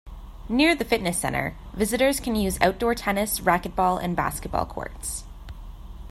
Near the fitness center, visitors can use outdoor tennis, racquetball and basketball courts.